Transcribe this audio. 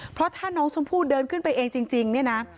เพราะถ้าน้องชมพู่เดินขึ้นไปเองจริงเนี่ยนะ